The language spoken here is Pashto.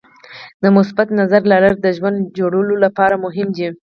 د مثبت نظر لرل د ژوند جوړولو لپاره مهم دي.